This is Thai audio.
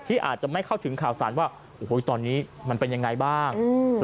อาจจะไม่เข้าถึงข่าวสารว่าโอ้โหตอนนี้มันเป็นยังไงบ้าง